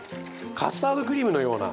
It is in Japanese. カスタードクリームのような。